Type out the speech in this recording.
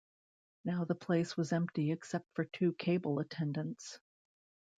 Now the place was empty except for two cable attendants.